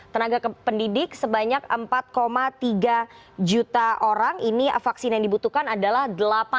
tenaga pendidik sebanyak empat tiga juta orang ini vaksin yang dibutuhkan adalah delapan